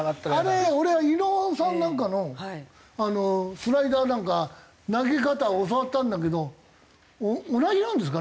あれね俺は稲尾さんなんかのスライダーなんか投げ方を教わったんだけど同じなんですか？